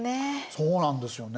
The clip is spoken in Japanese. そうなんですよね。